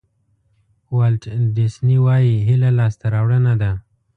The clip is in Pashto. والټ ډیسني وایي هیله لاسته راوړنه ده.